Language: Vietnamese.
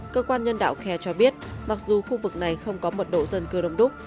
cơ quan nhân đạo khe cho biết mặc dù khu vực này không có mật độ dân cư đông đúc